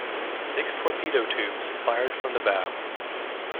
Six torpedo tubes fired from the bow.